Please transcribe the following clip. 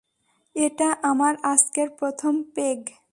এটা আমার আজকের প্রথম পেগ।